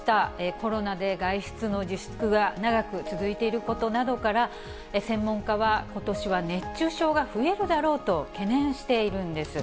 コロナで外出の自粛が長く続いていることなどから、専門家はことしは熱中症が増えるだろうと懸念しているんです。